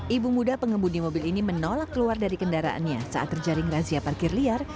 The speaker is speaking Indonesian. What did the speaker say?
ibu muda pengembudi mobil ini menolak keluar dari kendaraannya saat terjaring razia parkir liar